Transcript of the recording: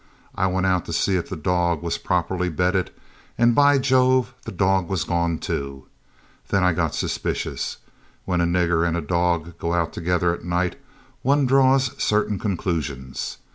I went out to see if the dog was properly bedded, and by Jove, the dog was gone too. Then I got suspicious. When a nigger and a dog go out together at night, one draws certain conclusions.